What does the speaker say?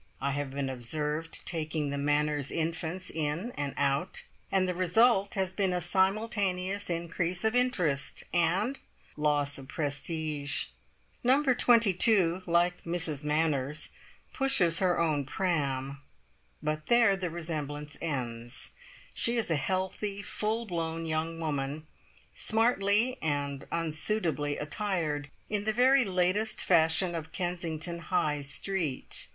I have been observed taking the Manners' infants in and out, and the result has been a simultaneous increase of interest, and loss of prestige. Number 22, like Mrs Manners, pushes her own "pram," but there the resemblance ends. She is a healthy, full blown young woman, smartly and unsuitably attired in the very latest fashion of Kensington High Street.